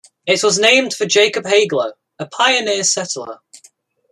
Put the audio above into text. It was named for Jacob Haigler, a pioneer settler.